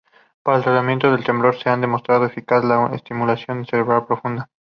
Para el tratamiento del temblor se ha demostrado eficaz la estimulación cerebral profunda.